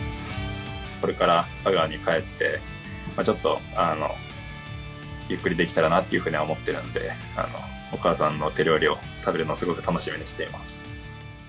これから香川に帰って、ちょっとゆっくりできたらなというふうには思っているので、お母さんの手料理を食べるのを、すごく楽しみにしています。